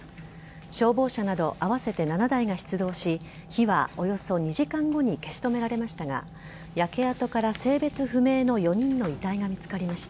消防車など合わせて７台が出動し、火はおよそ２時間後に消し止められましたが、焼け跡から性別不明の４人の遺体が見つかりました。